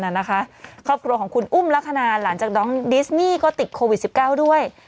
น่ะนะคะครอบครัวของคุณอุ้มลักษณะหลังจากน้องดิสนี่ก็ติดโควิดสิบเก้าด้วย